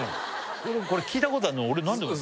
これ聴いたことあるあれ